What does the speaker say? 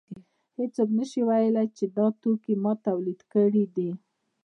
هېڅوک نشي ویلی چې دا توکی ما تولید کړی دی